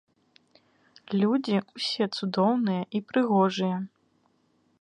Людзі ўсе цудоўныя і прыгожыя.